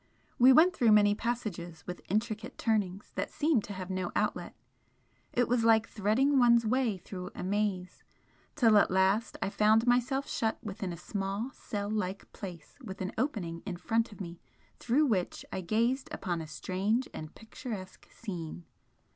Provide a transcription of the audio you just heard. We went through many passages with intricate turnings that seemed to have no outlet, it was like threading one's way through a maze till at last I found myself shut within a small cell like place with an opening in front of me through which I gazed upon a strange and picturesque scene.